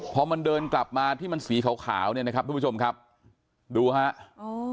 พอเดินกลับมาที่มันสีขาวนี่นะครับคุณผู้ชมดูครับ